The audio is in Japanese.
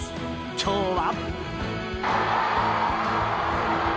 今日は。